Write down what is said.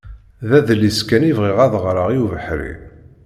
D adlis kan i bɣiɣ ad ɣreɣ i ubeḥri.